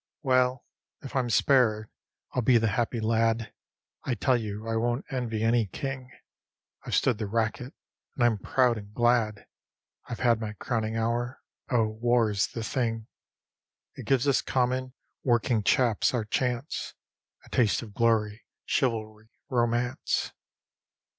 Well, if I'm spared I'll be the happy lad. I tell you I won't envy any king. I've stood the racket, and I'm proud and glad; I've had my crowning hour. Oh, War's the thing! It gives us common, working chaps our chance, A taste of glory, chivalry, romance.